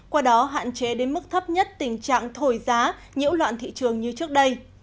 qua đó hạn chế đến mức thấp nhất tình trạng thổi giá nhiễu loạn thị trường như trước đây